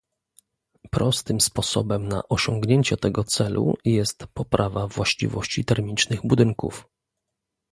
Prostym sposobem na osiągnięcie tego celu jest poprawa właściwości termicznych budynków